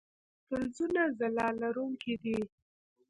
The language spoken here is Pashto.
فلزونه ځلا لرونکي دي.